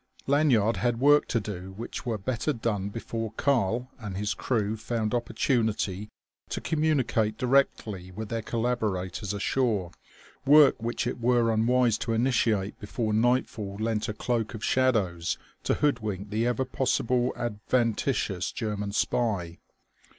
Lanyard had work to do which were better done before "Karl" and his crew found opportunity to communicate directly with their collaborators ashore, work which it were unwise to initiate before nightfall lent a cloak of shadows to hoodwink the ever possible adventitious German spy.